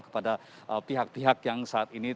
kepada pihak pihak yang saat ini